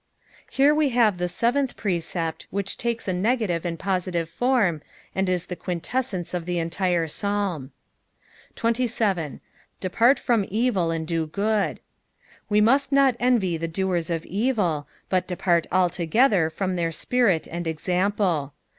Here we have the seventii^re^st^which takes a uegative and positive form, and is the quinteaaeilceDnn^ntirePsBlm. 27. '^Depart from evil, and do good.'''' Wo must not envy the doers of evil, bat depart altogether from their spirit and example.